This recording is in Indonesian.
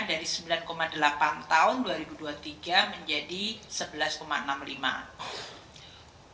dari sembilan delapan tahun dua ribu dua puluh tiga menjadi sebelas enam puluh lima